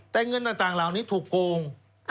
แต่เงินต่างเหล่านี้ถูกโกง